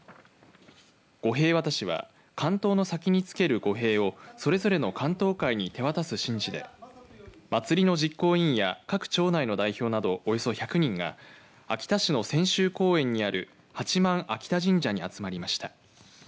御幣渡しは関東の先につける御幣をそれぞれの竿燈会に手渡す神事で祭りの実行委員や各町内の代表などおよそ１００人が秋田市の千秋公園にある八幡秋田神社に集まりました。